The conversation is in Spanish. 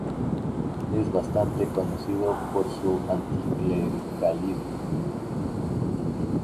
Es bastante conocido por su anticlericalismo.